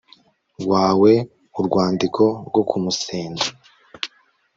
wawe urwandiko rwo kumusenda